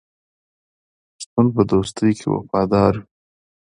پښتون په دوستۍ کې وفادار وي.